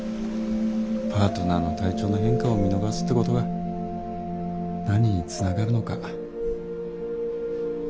パートナーの体調の変化を見逃すってことが何につながるのか。